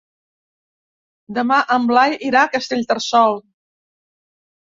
Demà en Blai irà a Castellterçol.